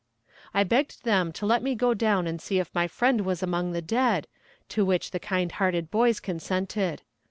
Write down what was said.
I begged them to let me go down and see if my friend was among the dead, to which the kind hearted boys consented.